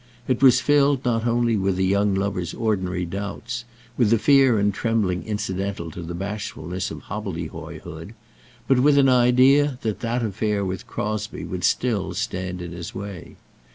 It was filled not only with a young lover's ordinary doubts, with the fear and trembling incidental to the bashfulness of hobbledehoyhood but with an idea that that affair with Crosbie would still stand in his way.